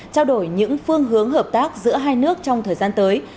trao đổi những phương hướng hợp tác giữa hai nước trong thời gian tới